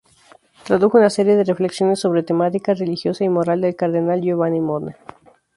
Tradujo una serie de reflexiones sobre temática religiosa y moral del Cardenal Giovanni Bona.